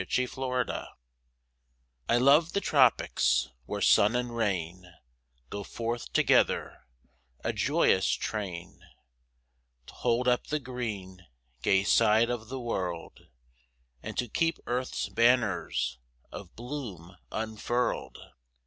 THE AWAKENING I love the tropics, where sun and rain Go forth together, a joyous train, To hold up the green, gay side of the world, And to keep earth's banners of bloom unfurled.